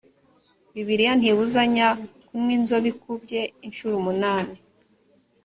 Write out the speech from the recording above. bibiliya ntibuzanya kunywa inzobikubye incuro umunani